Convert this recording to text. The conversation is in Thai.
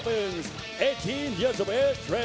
มีความรู้สึกว่า